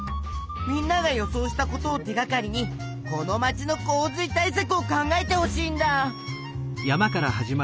みんなが予想したことを手がかりにこの街の洪水対さくを考えてほしいんだ！